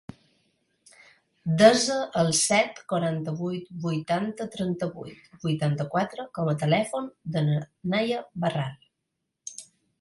Desa el set, quaranta-vuit, vuitanta, trenta-vuit, vuitanta-quatre com a telèfon de la Nahia Barral.